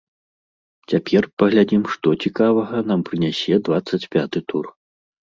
Цяпер паглядзім, што цікавага нам прынясе дваццаць пяты тур!